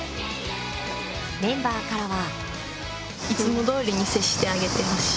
メンバーからは。